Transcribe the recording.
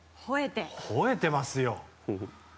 ほえてますよ。